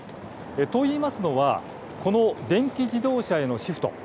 といいますのはこの電気自動車へのシフト。